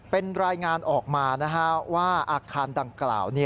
เป็นรายงานออกมาว่าอาคารดังกล่าว